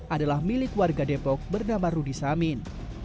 adalah milik warga depok bernama rudy samin